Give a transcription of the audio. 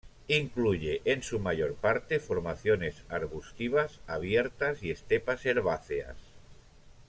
Incluye en su mayor parte formaciones arbustivas abiertas y estepas herbáceas.